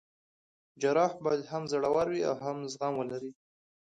جراح باید هم زړه ور وي او هم زغم ولري.